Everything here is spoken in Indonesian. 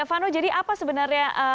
vano jadi apa sebenarnya